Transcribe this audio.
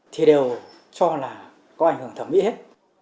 thì đều cho là có ảnh hưởng thẩm mỹ hết